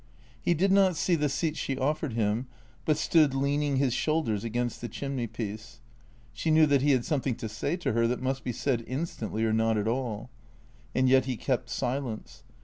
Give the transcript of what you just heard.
He did not see the seat she offered him, but stood leaning his shoulders against the chimneypicce. She knew that he had something to say to her that must be said instantly or not at all. And yet he kept silence.